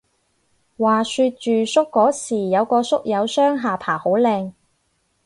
話說住宿嗰時有個宿友雙下巴好靚